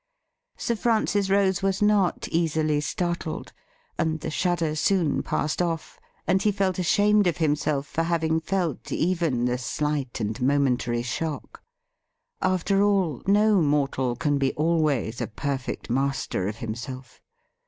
Sir Francis Rose was not easily startled, and the shudder soon passed off, and he felt ashamed of himself for having felt even the slight and momentary shock. After all, no mortal can be always a perfect master of himself.